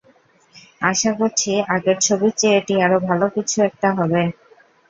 আশা করছি, আগের ছবির চেয়ে এটি আরও ভালো কিছু একটা হবে।